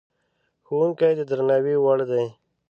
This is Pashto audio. ښوونکی د درناوي وړ دی.